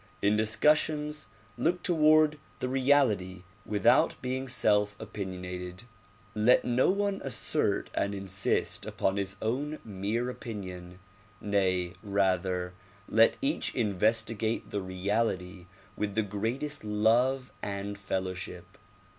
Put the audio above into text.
In discussions look toward the reality without being self opinion ated. Let no one assert and insist upon his own mere opinion ; nay, rather, let each investigate the reality with the greatest love and fellowship.